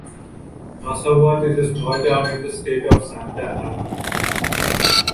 Masahuat is a small town in the State of Santa Ana.